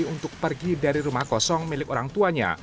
untuk pergi dari rumah kosong milik orang tuanya